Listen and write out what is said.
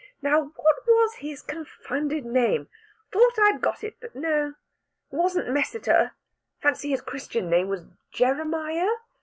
Now, what was his confounded name? Thought I'd got it but no it wasn't Messiter. Fancy his Christian name was Jeremiah....